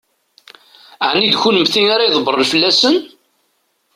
Ɛni d kennemti ara ydebbṛen fell-asen?